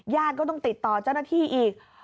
ก็ต้องติดต่อเจ้าหน้าที่อีก